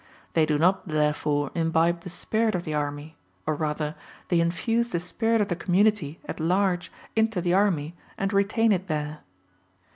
They do not therefore imbibe the spirit of the army or rather, they infuse the spirit of the community at large into the army, and retain it there.